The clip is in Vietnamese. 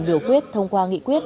biểu quyết thông qua nghị quyết